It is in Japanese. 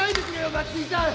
松井さん！